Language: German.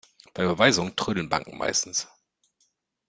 Bei Überweisungen trödeln Banken meistens.